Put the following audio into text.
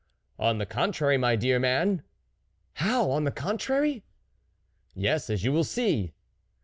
" On the contrary, my dear man." " How ! on the contrary ?"" Yes, as you will see."